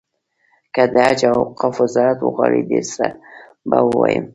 که د حج او اوقافو وزارت وغواړي ډېر څه به ووایم.